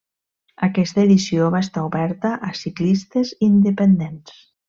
Aquesta edició va estar oberta a ciclistes independents.